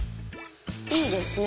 「いいですね」